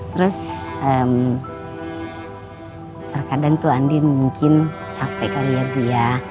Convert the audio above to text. terus terkadang tuh andin mungkin capek kali ya bu ya